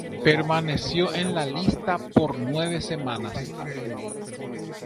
Permaneció en la lista por nueve semanas.